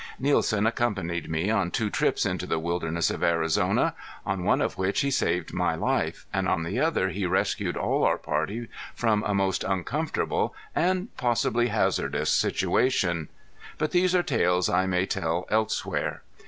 Nielsen accompanied me on two trips into the wilderness of Arizona, on one of which he saved my life, and on the other he rescued all our party from a most uncomfortable and possibly hazardous situation but these are tales I may tell elsewhere.